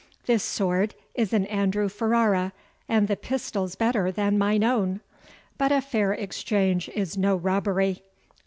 This sword is an Andrew Ferrara, and the pistols better than mine own. But a fair exchange is no robbery.